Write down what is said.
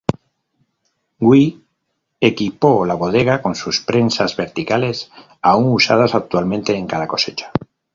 Guy equipó la bodega con sus prensas verticales, aún usadas actualmente en cada cosecha.